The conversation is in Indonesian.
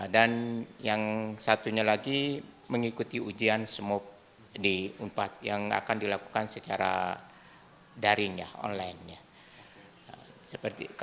dan yang satunya lagi mengikuti ujian semua di unpad yang akan dilakukan secara daring online